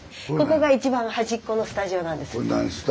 ここが一番端っこのスタジオなんです。